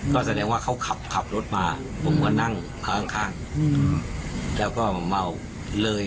ก็แสดงว่าเขาขับรถมาผมก็นั่งข้างข้างแล้วก็เมาเลย